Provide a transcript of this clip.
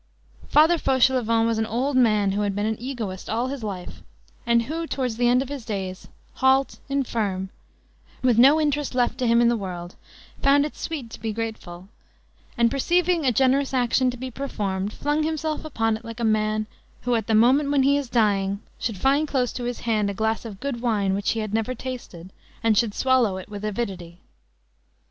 Father Fauchelevent was an old man who had been an egoist all his life, and who, towards the end of his days, halt, infirm, with no interest left to him in the world, found it sweet to be grateful, and perceiving a generous action to be performed, flung himself upon it like a man, who at the moment when he is dying, should find close to his hand a glass of good wine which he had never tasted, and should swallow it with avidity.